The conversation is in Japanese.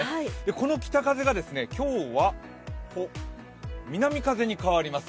この北風が今日は南風に変わります。